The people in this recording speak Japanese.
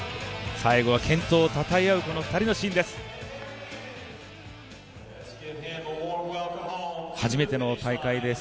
最後は健闘をたたえ合うこの２人のシーンです。